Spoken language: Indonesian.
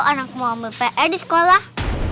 anak mau ambil pe di sekolah